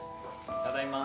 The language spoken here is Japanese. ただいま